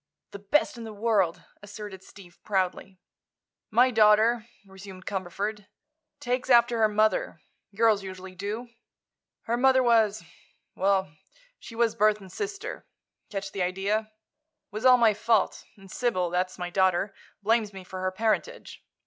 "The best in the world," asserted Steve, proudly. "My daughter," resumed Cumberford, "takes after her mother. Girls usually do. Her mother was—well, she was Burthon's sister. Catch the idea? It was all my fault, and Sybil—that's my daughter—blames me for her parentage.